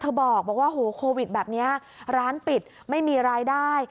บอกว่าโหโควิดแบบนี้ร้านปิดไม่มีรายได้